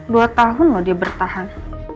dua tahun loh dia bertahan